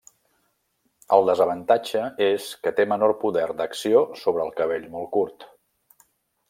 El desavantatge és que té menor poder d'acció sobre el cabell molt curt.